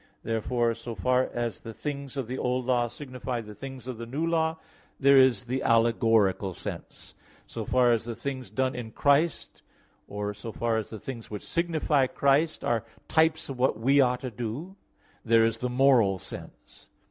Therefore, so far as the things of the Old Law signify the things of the New Law, there is the allegorical sense; so far as the things done in Christ, or so far as the things which signify Christ, are types of what we ought to do, there is the moral sense.